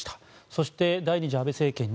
そして、第２次安倍政権